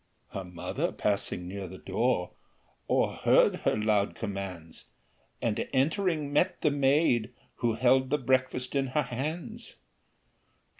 Her mother passing near the door, O'erheard her loud commands, And entering, met the maid, who held The breakfast in her hands.